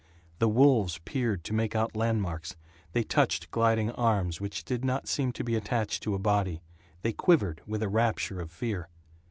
The wolves peered to make out landmarks, they touched gliding arms which did not seem to be attached to a body, they quivered with a rapture of fear.